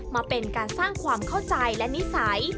มาเป็นการสร้างความเข้าใจและนิสัย